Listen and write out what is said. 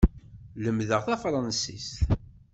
Lemdeɣ tafṛansist.